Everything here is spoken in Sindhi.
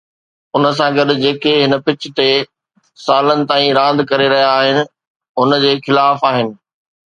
ان سان گڏ، جيڪي هن پچ تي سالن تائين راند ڪري رهيا آهن، هن جي خلاف آهن.